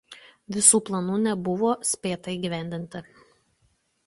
Visų planų nebuvo spėta įgyvendinti.